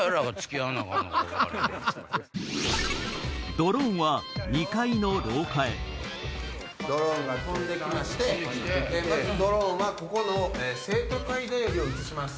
ドローンはドローンが飛んできましてまずドローンはここの『生徒会だより』を写します。